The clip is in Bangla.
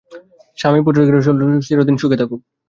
স্বামীপুত্রগৃহধনজন লইয়া সুরবালা চিরদিন সুখে থাকুক।